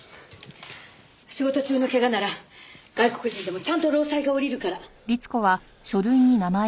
仕事中の怪我なら外国人でもちゃんと労災が下りるから。